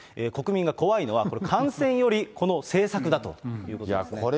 国民が怖いのは、これ、感染よりこの政策だということですね。